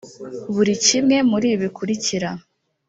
buri kimwe muri ibi bikurikira